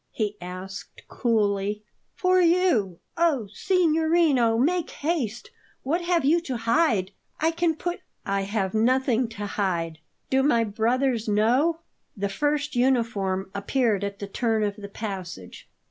he asked coolly. "For you! Oh, signorino, make haste! What have you to hide? See, I can put " "I have nothing to hide. Do my brothers know?" The first uniform appeared at the turn of the passage.